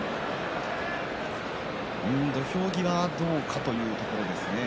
土俵際どうかというところですね。